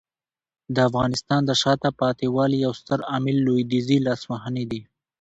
د افغانستان د شاته پاتې والي یو ستر عامل لویدیځي لاسوهنې دي.